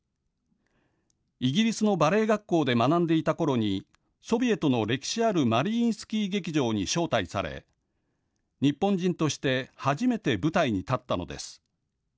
イギリスのバレエ学校で学んでいた頃にソビエトの歴史あるマリインスキー劇場に招待され日本人として初めて舞台に立ったのです。